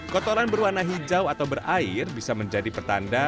kotoran berwarna hijau atau berair bisa menjadi pertanda